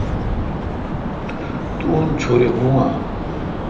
تو ان چھور بھو اؘ۔